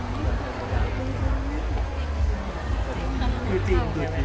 คุยจริงคุยไม่ถึง